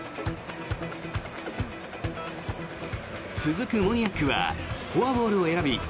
続くモニアックはフォアボールを選び